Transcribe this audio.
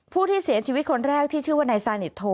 ผู้ที่เสียชีวิตคนแรกที่ชื่อว่านายซานิทโท